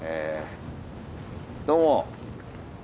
どうも。